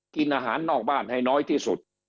กินอาหารนอกบ้านให้น้อยที่สุด